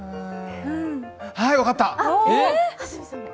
はい、分かった！